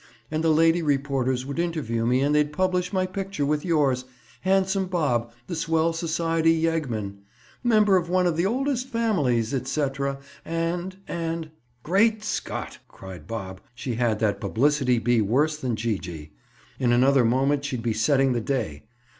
And the lady reporters would interview me and they'd publish my picture with yours—'Handsome Bob, the swell society yeggman. Member of one of the oldest families, etc.' And—and—" "Great Scott!" cried Bob. She had that publicity bee worse than Gee gee. In another moment she'd be setting the day.